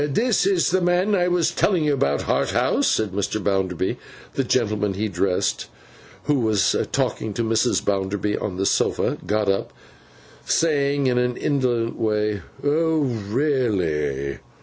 'This is the man I was telling you about, Harthouse,' said Mr. Bounderby. The gentleman he addressed, who was talking to Mrs. Bounderby on the sofa, got up, saying in an indolent way, 'Oh really?